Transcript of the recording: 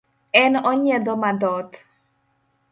En onyiedho modhoth.